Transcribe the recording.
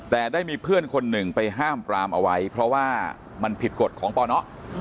แต่ได้มีเพื่อนคนหนึ่งไปห้ามปรามเอาไว้เพราะว่ามันผิดกฎของปน